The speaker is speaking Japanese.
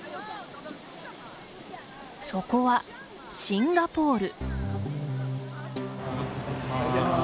そこは、シンガポール。